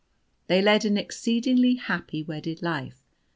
They led an exceedingly happy wedded life.